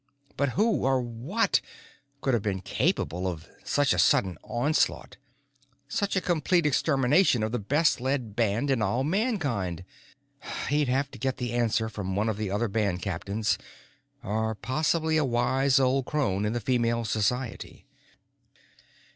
But who or what could have been capable of such a sudden onslaught, such a complete extermination of the best led band in all Mankind? He'd have to get the answer from one of the other band captains or possibly a wise old crone in the Female Society.